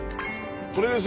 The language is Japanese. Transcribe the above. これです。